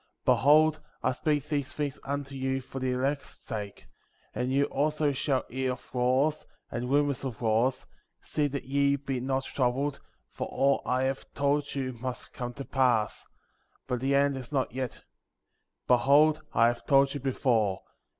23. Behold, I speak these things unto you for the elect's sake; and you also shall hear of wars, and rumors of wars; see that ye be not troubled, for all I have told you must come to pass; but the end is not yet. 24. Behold, I have told you before.